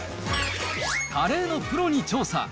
カレーのプロに調査。